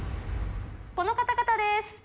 この方々です。